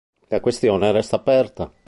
La questione resta aperta.